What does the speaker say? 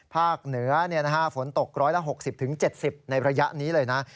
เหนือฝนตก๑๖๐๗๐ในระยะนี้เลยนะ